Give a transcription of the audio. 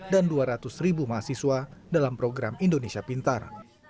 dan dua ratus ribu mahasiswa dalam program indonesia pintar